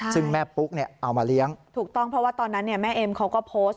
ซึ่งแม่ปุ๊กเนี่ยเอามาเลี้ยงถูกต้องเพราะว่าตอนนั้นเนี่ยแม่เอ็มเขาก็โพสต์